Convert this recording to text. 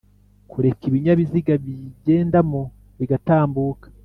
Kureka ibinyabiziga biyigendamo bigatambuka